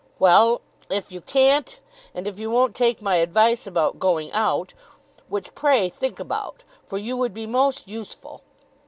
"Well; if you can't, and if you won't take my advice about going out; which, pray, think about, for you would be most useful.